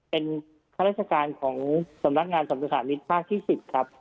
เป็นข้าราชการของสำนักงานสรรพสามิตรภาคที่๑๐ครับ